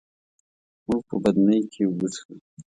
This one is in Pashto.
موږ په بدنۍ کي اوبه څښو.